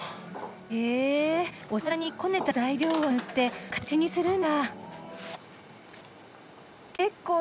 へえお皿にこねた材料を塗って形にするんだ。